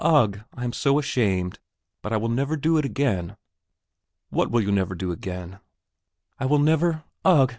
Ugh! I am so ashamed, but I will never do it again." "What will you never do again?" "I will never ... ugh ...